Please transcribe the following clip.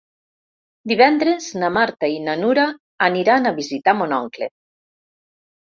Divendres na Marta i na Nura aniran a visitar mon oncle.